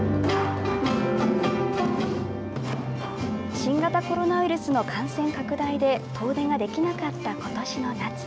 新型コロナウイルスの感染拡大で遠出ができなかった今年の夏。